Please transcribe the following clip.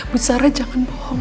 bu sarah jangan bohong